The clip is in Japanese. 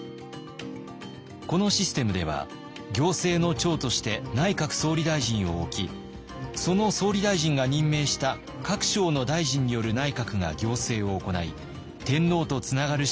このシステムでは行政の長として内閣総理大臣を置きその総理大臣が任命した各省の大臣による内閣が行政を行い天皇とつながる仕組みになっていました。